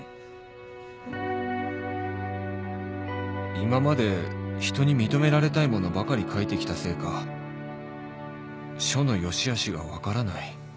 今まで人に認められたいものばかり書いてきたせいか書の良しあしが分からない